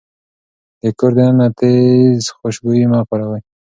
د کور دننه تيز خوشبويي مه کاروئ.